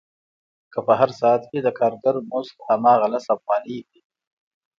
که په هر ساعت کې د کارګر مزد هماغه لس افغانۍ وي